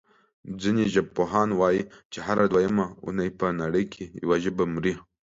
ځینې ژبپوهان وايي چې هره دویمه اوونۍ په نړۍ کې یوه ژبه مري.